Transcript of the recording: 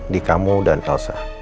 di kamu dan elsa